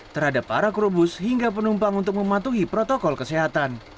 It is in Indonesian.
terhadap para krubus hingga penumpang untuk mematuhi protokol kesehatan